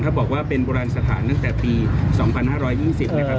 ถ้าบอกว่าเป็นโบราณสถานตั้งแต่ปี๒๕๒๐นะครับ